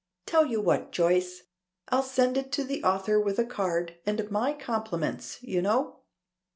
Tell you what, Joyce, I'll send it to the author with a card and my compliments you know.